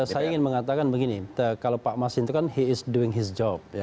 saya ingin mengatakan begini kalau pak mas itu kan hay is doing his job